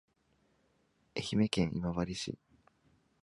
愛媛県今治市